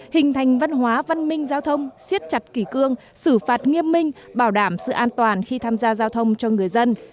hình thành văn hóa văn minh giao thông siết chặt kỷ cương xử phạt nghiêm minh bảo đảm sự an toàn khi tham gia giao thông cho người dân